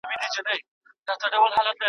لومړۍ برخه واقعي پوښتنې دي.